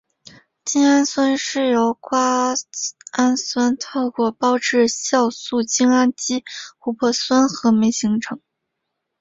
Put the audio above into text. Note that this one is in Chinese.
精氨酸是由瓜氨酸透过胞质酵素精氨基琥珀酸合酶合成。